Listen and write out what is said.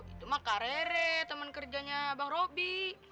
itu mah kak rere temen kerjanya bang robi